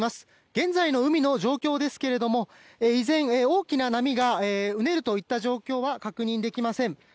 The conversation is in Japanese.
現在の海の状況ですが依然、大きな波がうねるといった状況は確認できません。